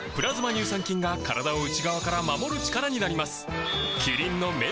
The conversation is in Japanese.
乳酸菌が体を内側から守る力になります